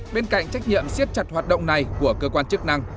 bên cạnh trách nhiệm siết chặt hoạt động này của cơ quan chức năng